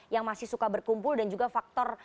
yang masih suka berkumpul dan juga faktor